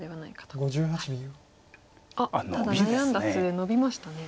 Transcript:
ただ悩んだ末ノビましたね。